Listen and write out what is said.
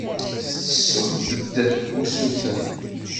Tettessumt-d usuten.